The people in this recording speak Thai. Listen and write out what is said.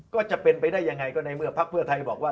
ก็จะเป็นไปได้ยังไงก็ในเมื่อพักเพื่อไทยบอกว่า